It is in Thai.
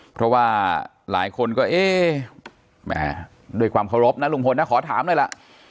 เพราะว่าหลายคนก็เอ๊ะแหมด้วยความเคารพนะลุงพลนะขอถามหน่อยล่ะ